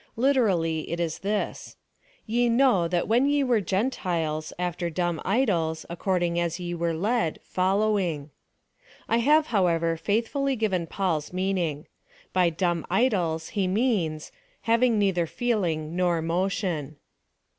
Literally, it is this : Ye know, that when ye were Gentiles, after dumb idols, according as ye were led, following. I have, however, faithfully given Paul's meaning. By dumb idols he means — having neither feeling nor motion.